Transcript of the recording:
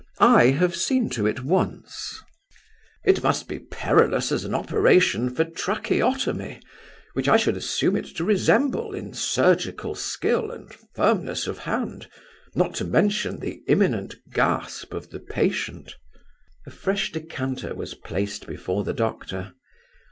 I have seen to it once." "It must be perilous as an operation for tracheotomy; which I should assume it to resemble in surgical skill and firmness of hand, not to mention the imminent gasp of the patient." A fresh decanter was placed before the doctor.